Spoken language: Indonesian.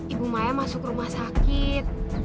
ibu maya masuk ke rumah sakit